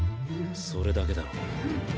それだけだろ。